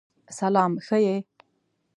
سلام شه یی!